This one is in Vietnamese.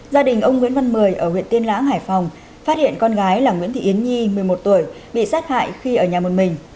gia đình ông nguyễn văn mười ở huyện tiên lãng hải phòng phát hiện con gái là nguyễn thị yến nhi một mươi một tuổi bị sát hại khi ở nhà một mình